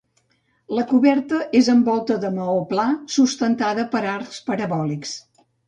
La coberta és amb volta de maó pla sustentada per arcs parabòlics.